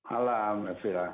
alam mas fira